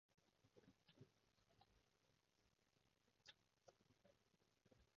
今世有你錫佢，下世佢實搵到住好人家